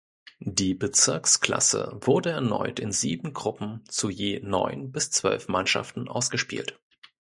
Die Bezirksklasse wurde erneut in sieben Gruppen zu je neun bis zwölf Mannschaften ausgespielt.